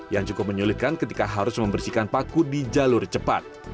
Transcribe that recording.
yang cukup menyulitkan ketika harus membersihkan paku di jalur cepat